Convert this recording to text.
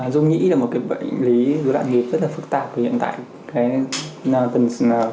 dung nghĩ là một bệnh lý do đoạn nhịp rất phức tạp hiện tại